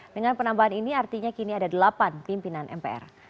dengan penambahan ini artinya kini ada delapan pimpinan mpr